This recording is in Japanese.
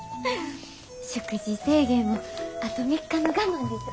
食事制限もあと３日の我慢です。